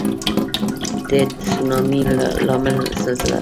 د تسونامي لامل زلزله ده.